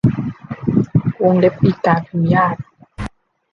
วงเล็บปีกกาพิมพ์ยาก